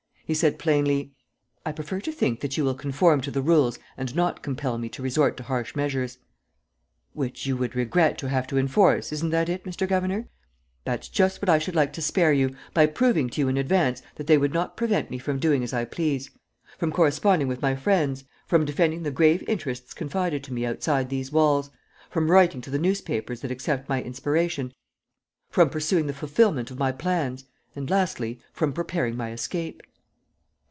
He said plainly: "I prefer to think that you will conform to the rules and not compel me to resort to harsh measures. ..." "Which you would regret to have to enforce: isn't that it, Mr. Governor? That's just what I should like to spare you, by proving to you in advance that they would not prevent me from doing as I please: from corresponding with my friends, from defending the grave interests confided to me outside these walls, from writing to the newspapers that accept my inspiration, from pursuing the fulfilment of my plans and, lastly, from preparing my escape."